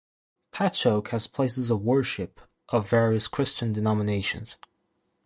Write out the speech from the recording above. Patchogue has places of worship of various Christian denominations.